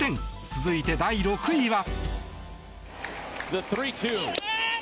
続いて、第６位は。